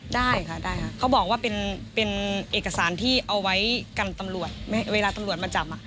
ได้ค่ะได้ค่ะเขาบอกว่าเป็นเอกสารที่เอาไว้กันตำรวจเวลาตำรวจมาจับ